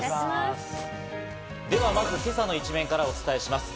では、まず今朝の一面からお伝えします。